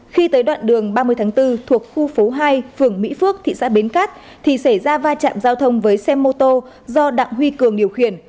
khi tới đoạn đường ba mươi tháng bốn thuộc khu phố hai phường mỹ phước thị xã bến cát thì xảy ra va chạm giao thông với xe mô tô do đặng huy cường điều khiển